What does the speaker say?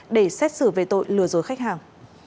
để xét xử về tội lừa dối khách hàng